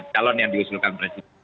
calon yang diusulkan presiden